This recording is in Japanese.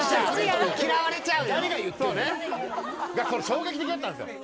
衝撃的だったんですよ。